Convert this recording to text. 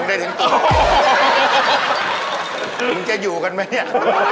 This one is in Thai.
มึงจะอยู่กันไหมอ่ะ